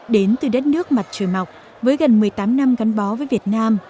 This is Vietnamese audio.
đến từ đất nước mặt trời mọc với gần một mươi tám năm gắn bó với việt nam